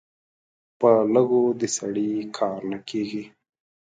په لږو د سړي کار نه کېږي.